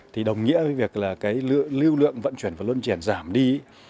thì đồng nghĩa với việc lưu lượng vận chuyển và luân chuyển giảm đi